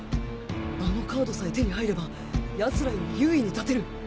あのカードさえ手に入ればヤツらより優位に立てる